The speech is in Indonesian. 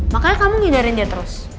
makanya kamu ngidarin dia terus